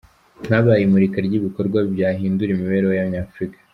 Habaye imurika ry’ibikorwa byahindura imibereho y’Abanyafurika.